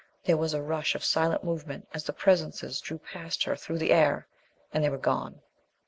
There was a rush of silent movement, as the Presences drew past her through the air, and they were gone.